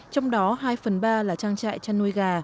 trong đó hai phần ba là trang trại chăn